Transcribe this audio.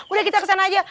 udah kita kesana aja